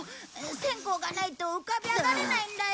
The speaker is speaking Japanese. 線香がないと浮かび上がれないんだよ。